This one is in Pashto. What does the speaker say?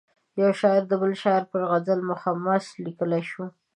یو شاعر د بل شاعر پر غزل مخمس لیکلای شو.